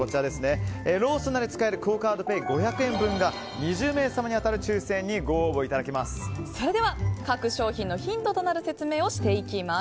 ローソンなどで使えるクオ・カードペイ５００円分が２０名様に当たる抽選にご応募いただけます。